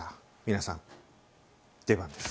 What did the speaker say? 皆さん出番です。